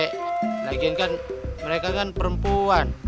lagian kan mereka kan perempuan